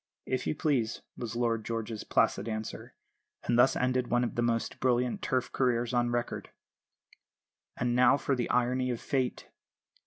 "If you please," was Lord George's placid answer; and thus ended one of the most brilliant Turf careers on record. And now for the irony of Fate!